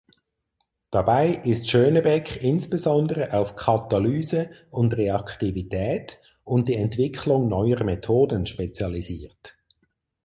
Dabei ist Schoenebeck insbesondere auf Katalyse und Reaktivität und die Entwicklung neuer Methoden spezialisiert.